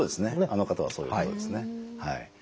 あの方はそういうことですね。